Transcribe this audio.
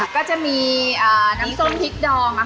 ก็จะมีน้ำส้มพริกดอง